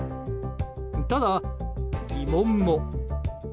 ただ、疑問も。